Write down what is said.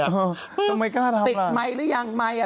ทำไมกล้าทำล่ะ